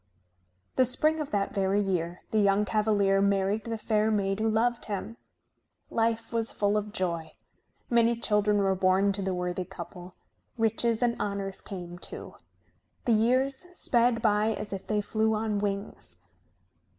The spring of that very year the young cavalier married the fair maid who loved him. Life was full of joy. Many children were born to the worthy couple. Riches and honors came, too. The years sped by as if they flew on wings.